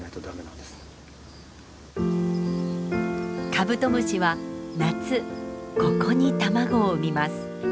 カブトムシは夏ここに卵を生みます。